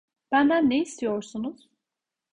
Benden ne istiyorsunuz?